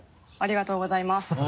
ありがとうございます。